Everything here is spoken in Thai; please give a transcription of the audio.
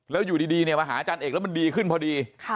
แล้วอยู่ดีเนี่ยมาหาอาจารย์เอกแล้วมันดีขึ้นพอดี